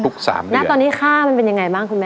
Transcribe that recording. ณตอนนี้ค่ามันเป็นยังไงบ้างคุณแม่